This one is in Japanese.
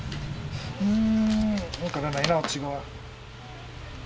うん分からないな私は。